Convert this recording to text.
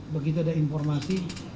begitu ada informasi